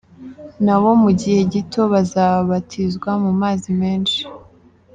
Na bo mu gihe gito bazabatizwa mu mazi menshi.